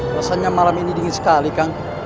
rasanya malam ini dingin sekali kang